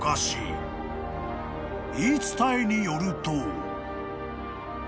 ［言い伝えによると］